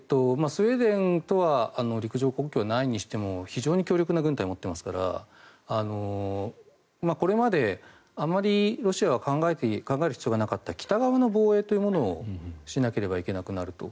スウェーデンとは陸上国境ないにしても非常に強力な軍隊を持っていますからこれまで、あまりロシアは考える必要がなかった北側の防衛というものをしなければいけなくなると。